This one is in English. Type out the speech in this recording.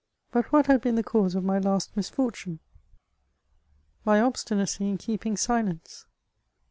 But what had been the cause of my last misfortune ? My obstinacy in keep ing silence.